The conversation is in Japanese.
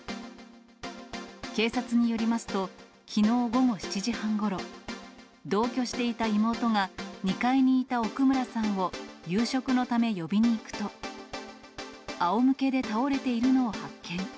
警察によりますと、きのう午後７時半ごろ、同居していた妹が、２階にいた奥村さんを夕食のため呼びに行くと、あおむけで倒れているのを発見。